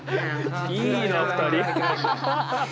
いいな２人。